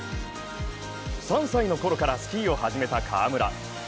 ３歳のころからスキーを始めた川村。